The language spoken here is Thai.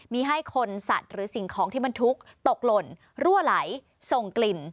มีให้คนสัตว์หรือสิ่งของที่บรรทุกตกหล่นรั่วไหลส่งกลิ่น